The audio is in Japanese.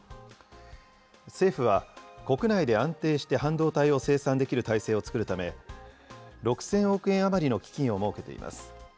政府は、国内で安定して半導体を生産できる体制を作るため、６０００億円余りの基金を設けています。